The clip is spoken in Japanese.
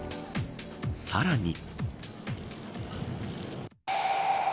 さらに。